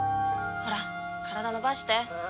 ほら体伸ばして。